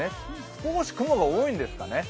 少し雲が多いんですかね。